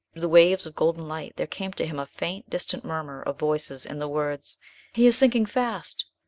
Through the waves of golden light there came to him a faint, distant murmur of voices, and the words, "He is sinking fast!"